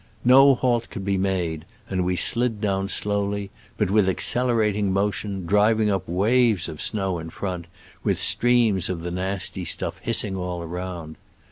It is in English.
No halt could be made, and we slid down slowly, but with accelerating mo tion, driving up waves of snow in front, with streams of the nasty stuff hissing all around.